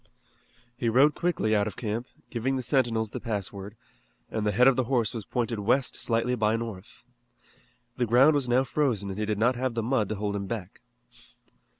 He rode quickly out of camp, giving the sentinels the pass word, and the head of the horse was pointed west slightly by north. The ground was now frozen and he did not have the mud to hold him back.